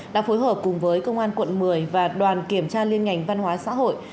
đã phối hợp cùng với công an quận một mươi và đoàn kiểm tra liên ngành văn hóa xã hội